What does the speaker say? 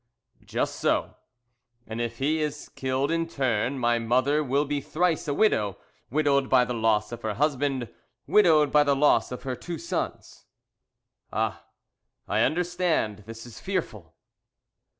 "Just so, and if he is killed in his turn, my mother will be thrice a widow; widowed by the loss of her husband, widowed by the loss of her two sons." "Ah! I understand. This is fearful!"